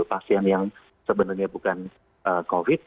pasien yang sebenarnya bukan covid